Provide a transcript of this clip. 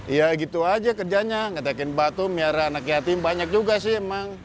ya gitu aja kerjanya ngetekin batu biar anak yatim banyak juga sih emang